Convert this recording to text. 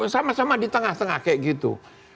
sama sama di tengah tengah kayak gitu